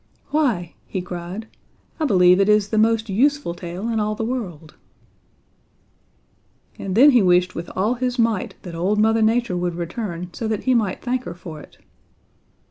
"'Why,' he cried, 'I believe it is the most useful tail in all the world!' "And then he wished with all his might that Old Mother Nature would return so that he might thank her for it.